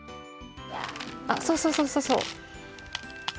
あっそうそうそうそうそう。